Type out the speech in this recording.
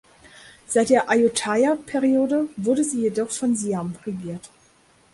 Seit der Ayutthaya-Periode wurde sie jedoch von Siam regiert.